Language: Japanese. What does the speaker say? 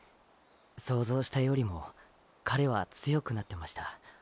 想像したよりも彼は強くなってました。